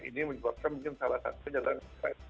ini menyebabkan mungkin salah satunya jalan ke ffj